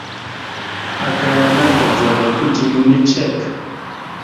Aka yana ta tadzava kudziŋine cek.